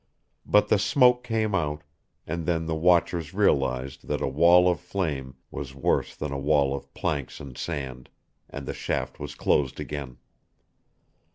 But the smoke came out, and then the watchers realized that a wall of flame was worse than a wall of planks and sand, and the shaft was closed again.